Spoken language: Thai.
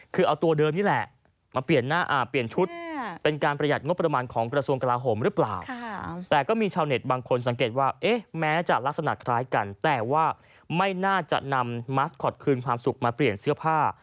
คือเอาตัวเดิมนี่แหละมาเปลี่ยนชุดเป็นการประหยัดงบประมาณของกระทรวงกลาโหมหรือเปล่าแต่ก็มีชาวเน็ตบางคนสังเกตว่าแม้จะลักษณะคล้ายกันแต่ว่าไม่น่าจะนำมัสคอตคืนความสุขมาเปลี่ยนเสื้อผ้า